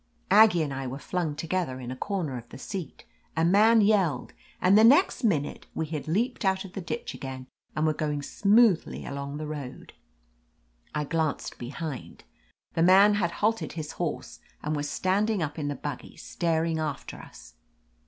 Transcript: Aggie and I were flung together in a corner of the seat, a man yelled, and the 228 ^\ 1< OF LETITIA CARBERRY next minute we had leaped out of the ditch again and were going smoothly along the road. I glanced behind. The man had halted his horse and was standing up in the buggy, star ing after us.